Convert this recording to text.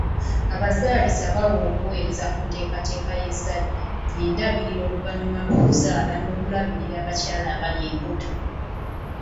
Abazaalisa bawa obuweereza ku nteekateeka y'ezzadde, endabirira oluvannyuma lw'okuzaala n'okulabirira abakyala abali embuto.